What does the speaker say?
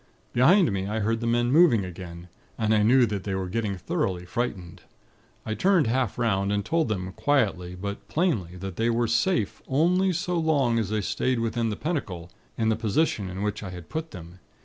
"Behind me, I heard the policemen moving again, and I knew that they were getting thoroughly frightened. I turned half 'round, and told them, quietly but plainly, that they were safe only so long as they stayed within the Pentacle, in the position in which I had put them.